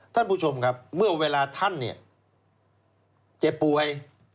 ท่านผู้ชมครับเมื่อเวลาท่านเนี่ยเจ็บป่วย